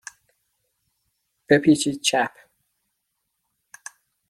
بپیچید چپ.